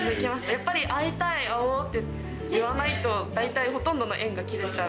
やっぱり会いたい、会おうって言わないと、大体ほとんどの縁が切れちゃう。